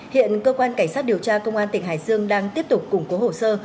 hiện cơ quan cảnh sát điều tra công an tỉnh hải dương đang tiếp tục củng cố hồ sơ